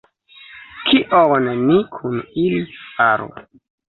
Kion ni kun ili faru?